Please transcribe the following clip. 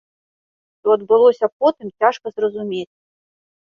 Што адбылося потым цяжка зразумець.